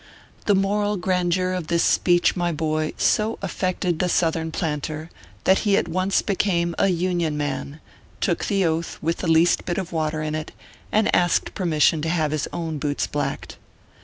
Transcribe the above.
The moral grandeur of this speech, my boy, so affected the Southern planter that he at once became a Union man, took the Oath with the least bit of water in it, and asked permission to have his own boots blacked.